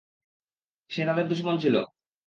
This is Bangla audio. সে তাদের দুশমন ছিল।